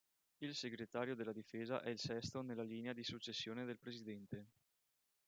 Il segretario della difesa è il sesto nella linea di successione del presidente.